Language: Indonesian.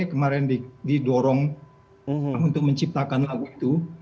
kemarin didorong untuk menciptakan lagu itu